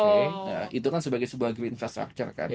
nah itu kan sebagai sebuah green infrastructure kan